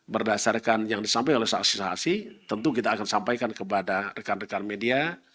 berdasarkan yang disampaikan oleh saksi saksi tentu kita akan sampaikan kepada rekan rekan media